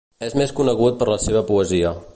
És més conegut per la seva poesia.